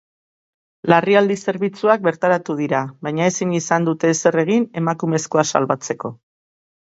Larrialdi zerbitzuak bertaratu dira, baina ezin izan dute ezer egin emakumezkoa salbatzeko.